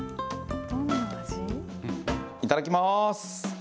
いただきます。